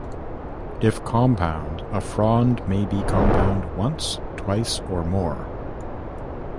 If compound, a frond may be compound once, twice, or more.